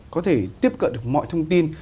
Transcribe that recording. có thể tiếp cận được mọi thông tin